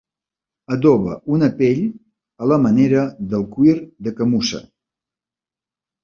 Adoba una pell a la manera del cuir de camussa.